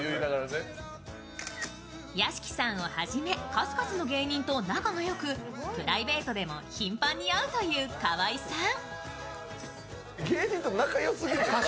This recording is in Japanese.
屋敷さんをはじめ、数々の芸人と仲が良く、プライベートでも頻繁に会うという河合さん。